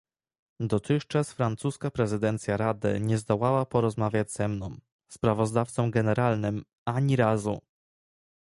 Dotychczas francuska prezydencja Rady nie zdołała porozmawiać ze mną, sprawozdawcą generalnym, ani razu